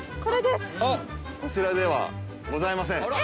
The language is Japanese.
こちらではございません。